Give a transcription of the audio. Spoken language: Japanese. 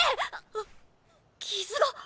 あっ傷が。